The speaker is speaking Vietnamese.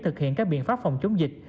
thực hiện các biện pháp phòng chống dịch